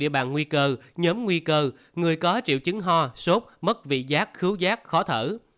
bằng nguy cơ nhóm nguy cơ người có triệu chứng ho sốt mất vị giác khứu giác khó thở